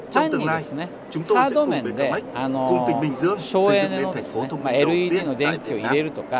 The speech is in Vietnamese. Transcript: trong tương lai chúng tôi sẽ cùng bkmac cùng tỉnh bình dương xây dựng nên thành phố thông minh đầu tiên đã được thiết năng